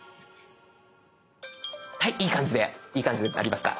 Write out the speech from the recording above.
いい感じでいい感じで鳴りました。